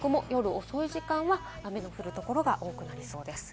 東北も夜遅い時間は雨の降るところが多くなりそうです。